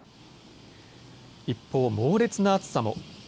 一方、猛烈な暑さも。